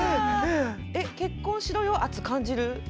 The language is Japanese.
えっ結婚しろよ圧感じる？